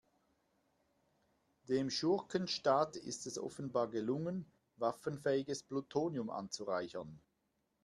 Dem Schurkenstaat ist es offenbar gelungen, waffenfähiges Plutonium anzureichern.